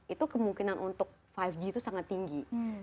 itu kemungkinan untuk lima g itu sangat tinggi